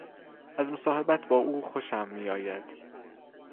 از مصاحبت با او خوشم میآید.